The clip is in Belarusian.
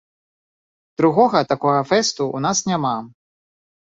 Другога такога фэсту ў нас няма.